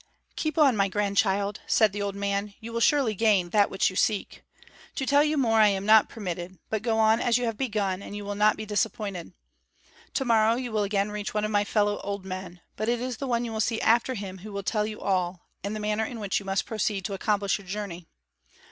"Keep on, my grandchild," said the old man; "you will surely gain that which you seek. To tell you more I am not permitted; but go on as you have begun and you will not be disappointed. To morrow you will again reach one of my fellow old men, but it is the one you will see after him who will tell you all, and the manner in which you must proceed to accomplish your journey.